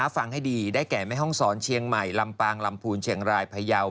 ฟังให้ดีได้แก่แม่ห้องศรเชียงใหม่ลำปางลำพูนเชียงรายพยาว